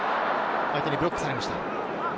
相手にブロックされました。